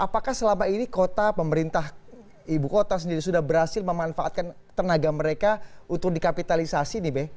jadi selama ini kota pemerintah ibu kota sendiri sudah berhasil memanfaatkan tenaga mereka untuk dikapitalisasi nih be